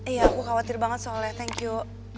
iya aku khawatir banget soalnya thank you